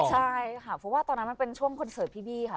ใช่ค่ะเพราะว่าตอนนั้นมันเป็นช่วงคอนเสิร์ตพี่บี้ค่ะ